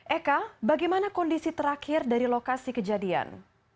eka bagaimana kondisi terakhir dari lokasi kejadian